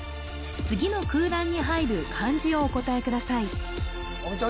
次の空欄に入る漢字をお答えください大道ちゃん